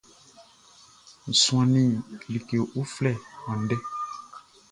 N suannin like uflɛ andɛ.